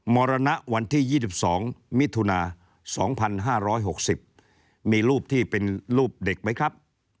มรณะวันที่๒๒มิถุนา๒๕๖๐มีรูปที่เป็นรูปเด็กไหมครับ